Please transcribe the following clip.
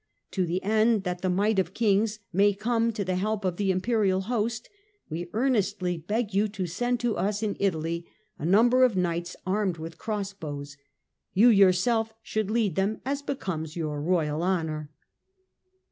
To the end that the might of Kings may come to the help of the Imperial host, we earnestly beg you to send to us in Italy a number of knights armed with crossbows. You yourself should lead them as becomes your royal honour."